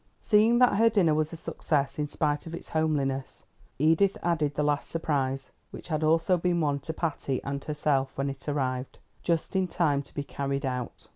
Seeing that her dinner was a success in spite of its homeliness, Edith added the last surprise, which had also been one to Patty and herself when it arrived, just in time to be carried out.